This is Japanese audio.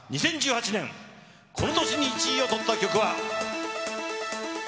２０１８年、この年に１位をとった曲は。